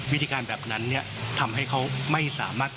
วิธีการแบบนั้นเนี่ยทำให้เขาไม่สามารถ